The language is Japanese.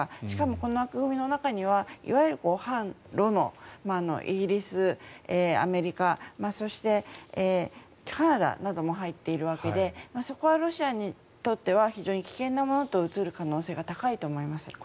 しかもこの枠組みの中にはいわゆる反ロのイギリス、アメリカそして、カナダなども入っているわけでそこはロシアにとっては非常に危険なものと映る可能性が高いと思います。